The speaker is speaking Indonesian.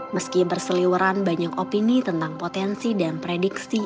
meski berseliweran banyak opini tentang potensi dan prediksi